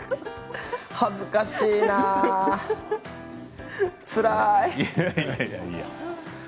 恥ずかしいな、つらい。